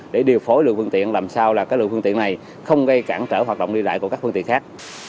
để điều phối lượng phương tiện làm sao là lượng phương tiện này không gây cản trở hoạt động đi lại của các phương tiện khác